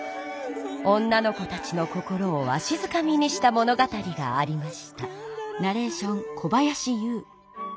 女の子たちの心をわしづかみにした物語がありました。